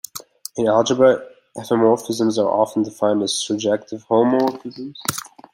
In algebra, epimorphisms are often defined as surjective homomorphisms.